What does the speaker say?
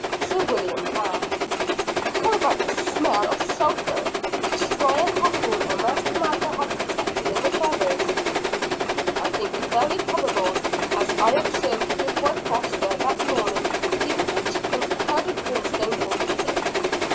Sir William laughed, "How about the smell of sulphur which Squire Hathorne and Master Mather have detected in the feathers?" "I think it very probable; as I observed Goodwife Foster that morning giving her chickens powdered brimstone for the pip."